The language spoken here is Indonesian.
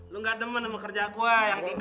lo nggak demen sama kerja gue yang tidur